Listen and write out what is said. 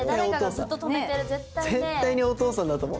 絶対にお父さんだと思う。